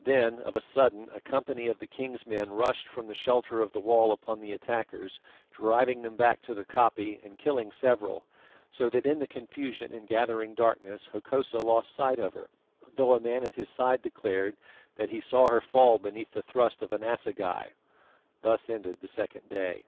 Then of a sudden a company of the king's men rushed from the shelter of the wall upon the attackers driving them back to the koppie and killing several, so that in the confusion and gathering darkness Hokosa lost sight of her, though a man at his side declared that he saw her fall beneath the thrust of an assegai. Thus ended the second day.